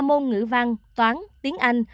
ba môn ngữ văn toán tiếng anh